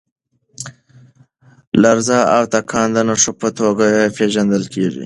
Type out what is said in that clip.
لرزه او تکان د نښو په توګه پېژندل کېږي.